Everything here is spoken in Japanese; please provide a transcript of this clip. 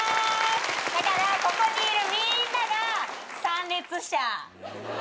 だからここにいるみんなが参列者。